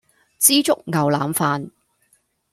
枝竹牛腩飯